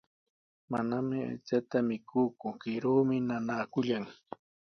Manami aychata mikuuku, kiruumi nanaakullan.